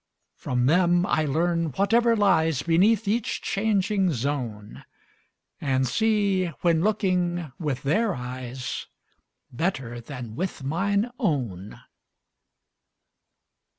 From them I learn whatever lies Beneath each changing zone, And see, when looking with their eyes, 35 Better than with mine own.